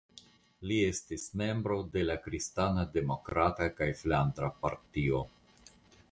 Li estis membro de la kristana demokrata kaj flandra partio.